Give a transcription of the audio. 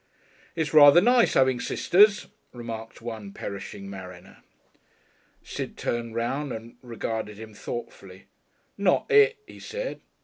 "It's rather nice 'aving sisters," remarked one perishing mariner. Sid turned round and regarded him thoughtfully. "Not it!" he said.